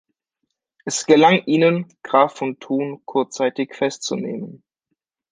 Es gelang ihnen, Graf von Thun kurzzeitig festzunehmen.